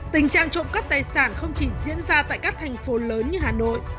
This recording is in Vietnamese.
tình trạng trộm cắp tài sản không chỉ diễn ra tại các thành phố lớn như hà nội